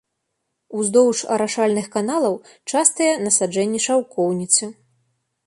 Уздоўж арашальных каналаў частыя насаджэнні шаўкоўніцы.